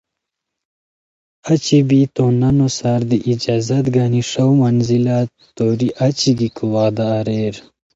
اچی بی تو نانو سار دی اجازت گانی ݰاؤ منزلہ توری اچی گیکو وعدہ اریر